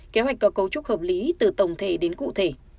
kế hoạch có cấu trúc hợp lý từ tổng thể đến cụ thể